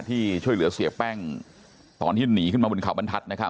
ที่ช่วยเหลือเสียแป้งตอนที่หนีขึ้นมาบนเขาบรรทัศน์